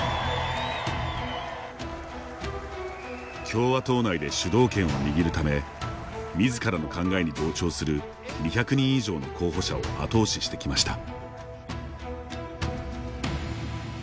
共和党内で主導権を握るためみずからの考えに同調する２００人以上の候補者を後押ししてきました。